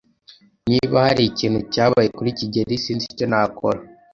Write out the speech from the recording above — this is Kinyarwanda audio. Niba hari ikintu cyabaye kuri kigeli, sinzi icyo nakora.